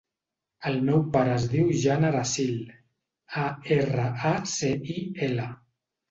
El meu pare es diu Jan Aracil: a, erra, a, ce, i, ela.